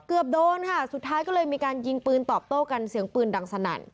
โดนค่ะสุดท้ายก็เลยมีการยิงปืนตอบโต้กันเสียงปืนดังสนั่น